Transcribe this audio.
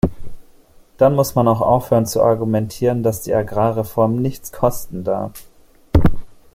Dann muss man auch aufhören zu argumentieren, dass die Agrarreform nichts kosten darf!